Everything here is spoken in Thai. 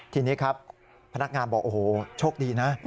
ทีนี้ครับพนักงานบอกโอ้โหโชคดีนะ